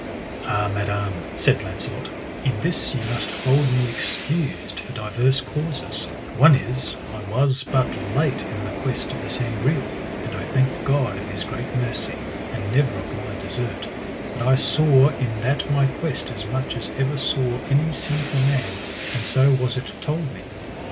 Ah madam, said Launcelot, in this ye must hold me excused for divers causes; one is, I was but late in the quest of the Sangreal; and I thank God of his great mercy, and never of my desert, that I saw in that my quest as much as ever saw any sinful man, and so was it told me.